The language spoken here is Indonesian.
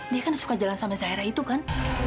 dia kan suka jalan sama zaira itu kan